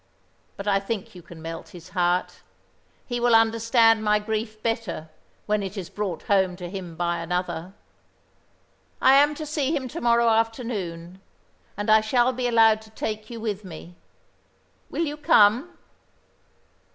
But I think you can melt his heart. He will understand my grief better when it is brought home to him by another. I am to see him to morrow afternoon, and I shall be allowed to take you with me. Will you come?"